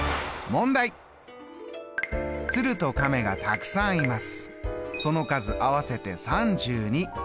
鶴と亀がたくさんいます。